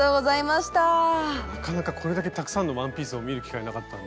なかなかこれだけたくさんのワンピースを見る機会なかったんで。